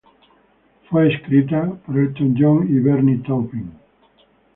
Fue escrita por Elton John y Bernie Taupin.